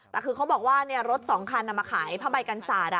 แต่คือเขาบอกว่ารถ๒คันมาขายผ้าใบกันสาด